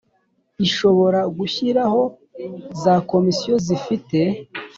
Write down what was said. ishobora gushyiraho za komisiyo zifite